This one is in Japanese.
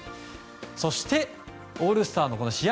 そしてオールスターの試合